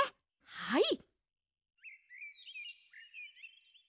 はい！